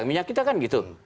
minyak kita kan gitu